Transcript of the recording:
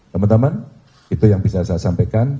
teman teman itu yang bisa saya sampaikan